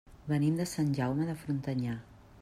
Venim de Sant Jaume de Frontanyà.